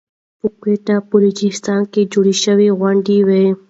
په کويټه بلوچستان کې جوړه شوى غونډه وه .